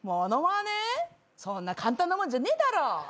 そんな簡単なもんじゃねえだろ。